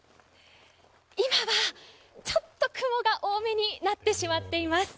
今は、ちょっと雲が多めになってしまっています。